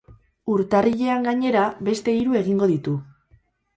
Urtarrilean, gainera, beste hiru egingo ditu.